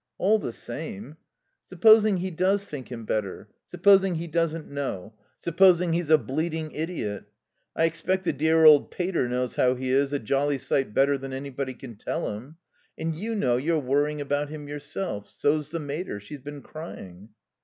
"All the same " "Supposing he does think him better. Supposing he doesn't know. Supposing he's a bleating idiot.... I expect the dear old pater knows how he is a jolly sight better than anybody can tell him.... And you know you're worrying about him yourself. So's the mater. She's been crying."